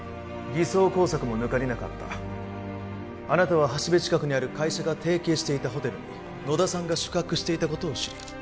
偽装工作も抜かりなかったあなたは橋部近くにある会社が提携していたホテルに野田さんが宿泊していたことを知り